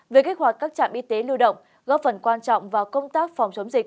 về kích hoạt các trạm y tế lưu động góp phần quan trọng vào công tác phòng chống dịch